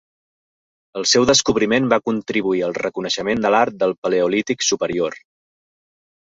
El seu descobriment va contribuir al reconeixement de l'art del Paleolític superior.